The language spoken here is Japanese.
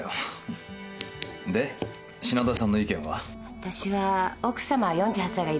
わたしは「奥様は４８歳」がいいですね。